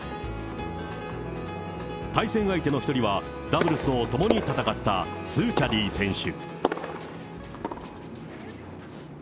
対戦相手の１人は、ダブルスを共に戦ったスーチャディ選手。